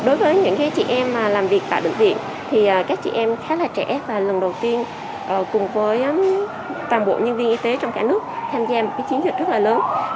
đối với những chị em làm việc tại bệnh viện thì các chị em khá là trẻ và lần đầu tiên cùng với toàn bộ nhân viên y tế trong cả nước tham gia một chiến dịch rất là lớn